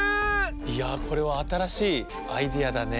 いやこれはあたらしいアイデアだね。